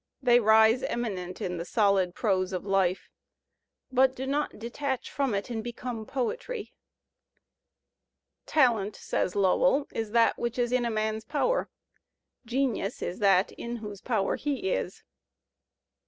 They rise eminent in the soUd prose of life, but do not detach from it and become poetry. "Talent," says Lowell, "is that which is in a man's power; genius is that in whose power he is."